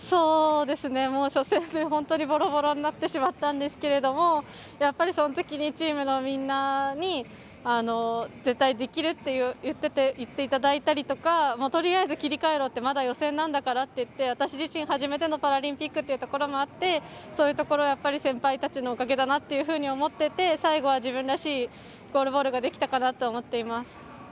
初戦で本当にボロボロになってしまったんですけれどもそのときにチームのみんなに絶対できるって言っていただいたりとかとりあえず切り替えろってまだ予選なんだからって私自身、初めてのパラリンピックというところもあってそういうところはやっぱり先輩たちのおかげだと思っていて、最後は自分らしいゴールボールができたかなと思っています。